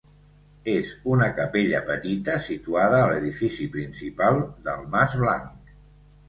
És una capella petita, situada a l'edifici principal del Mas Blanc.